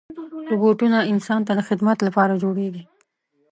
روبوټونه انسان ته د خدمت لپاره جوړېږي.